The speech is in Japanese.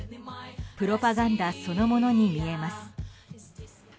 プロパガンダそのものに見えます。